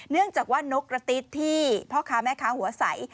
เนื่องจากว่านกกระติ๊ดที่พ่อค้าแม่ค้าหัวใส